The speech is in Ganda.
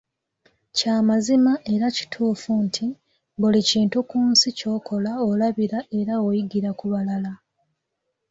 Kya mazima era kituufu nti, buli kintu ku nsi ky'okola olabira era oyigira ku balala.